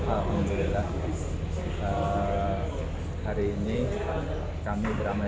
alhamdulillah hari ini kami beramai